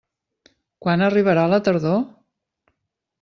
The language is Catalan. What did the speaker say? Quan arribarà la tardor?